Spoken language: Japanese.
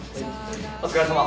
お疲れさま。